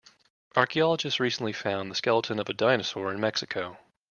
Archaeologists recently found the skeleton of a dinosaur in Mexico.